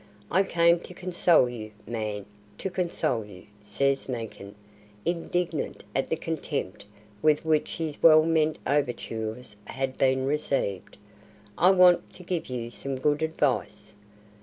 "I came to console you, man to console you," says Meekin, indignant at the contempt with which his well meant overtures had been received. "I wanted to give you some good advice!"